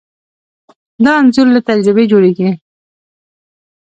دا انځور له تجربې جوړېږي.